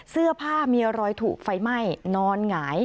เสื้อผ้ามีรอยถูกไฟไหม้นอนหงาย